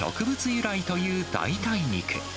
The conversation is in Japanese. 由来という代替肉。